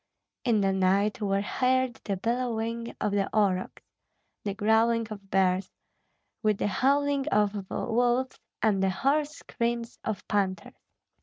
In the night were heard the bellowing of the aurochs, the growling of bears, with the howling of wolves and the hoarse screams of panthers.